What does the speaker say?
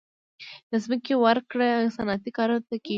د ځمکې ورکړه صنعتکارانو ته کیږي